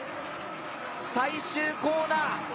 最終コーナー